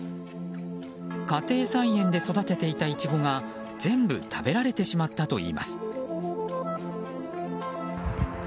家庭菜園で育てていたイチゴが全部、食べられてしまったといいます。